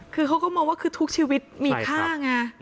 คือเขาก็มองว่าคือทุกชีวิตมีค่าไง